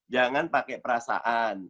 jangan pakai perasaan